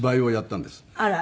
あら。